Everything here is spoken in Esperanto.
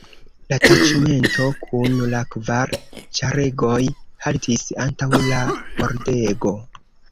La taĉmento kun la kvar ĉaregoj haltis antaŭ la pordego.